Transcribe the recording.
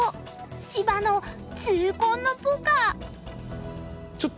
芝野痛恨のポカ。